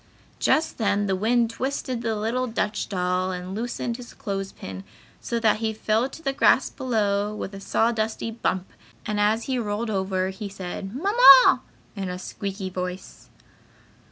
Just then the wind twisted the little Dutch doll and loosened his clothes pin, so that he fell to the grass below with a sawdusty bump and as he rolled over he said, "Mamma!" in a squeaky voice.